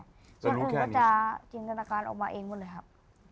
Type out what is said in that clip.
แล้วจะจินตนาการออกมาเองเลยครับ